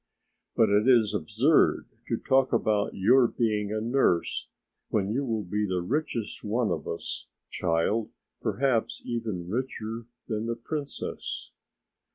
But it is absurd to talk about your being a nurse, when you will be the richest one of us, child, perhaps even richer than 'The Princess'."